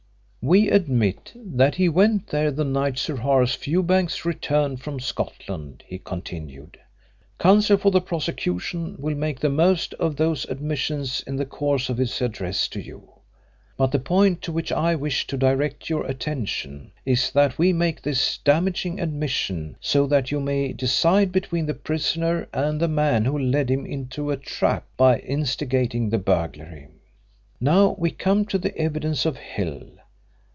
"We admit that he went there the night Sir Horace Fewbanks returned from Scotland," he continued. "Counsel for the prosecution will make the most of those admissions in the course of his address to you, but the point to which I wish to direct your attention is that we make this damaging admission so that you may decide between the prisoner and the man who led him into a trap by instigating the burglary. Now we come to the evidence of Hill.